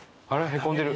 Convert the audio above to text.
へこんでる。